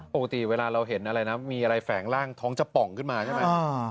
ปกติเวลาเราเห็นอะไรนะมีอะไรแฝงร่างท้องจะป่องขึ้นมาใช่ไหม